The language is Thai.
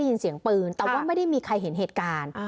ยินเสียงปืนแต่ว่าไม่ได้มีใครเห็นเหตุการณ์